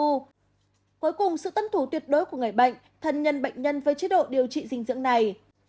cuối cùng sự tân thủ tuyệt đối của người bệnh thân nhân bệnh nhân với chế độ điều trị dinh dưỡng này